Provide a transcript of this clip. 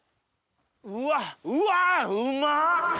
うわっうわうま！